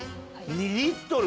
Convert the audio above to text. ２リットル。